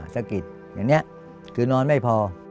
สะกิดอย่างนี้คือนอนไม่พอ